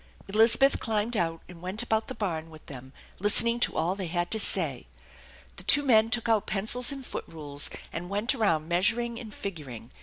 Elizabeth climbed out, and went about the barn with them, listening to all they had to say. The tvo men took out pencils and foot rules, and went around measuring and figuring.